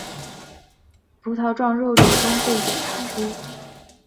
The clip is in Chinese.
葡萄状肉瘤中被检查出。